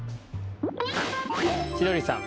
千鳥さん